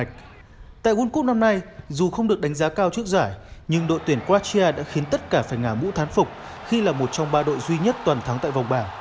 cuộc năm nay dù không được đánh giá cao trước giải nhưng đội tuyển croatia đã khiến tất cả phải ngả mũ thán phục khi là một trong ba đội duy nhất toàn thắng tại vòng bảng